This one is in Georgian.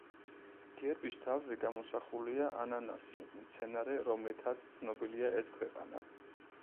გერბის თავზე გამოსახულია ანანასი, მცენარე, რომლითაც ცნობილია ეს ქვეყანა.